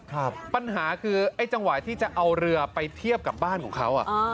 ปัญหาคือไอ้จังหวะที่จะเอาเรือไปเทียบกับบ้านของเขาอ่ะอ่า